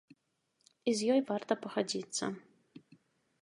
І з ёй варта пагадзіцца.